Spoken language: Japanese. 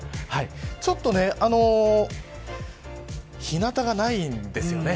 ちょっと日なたがないんですよね。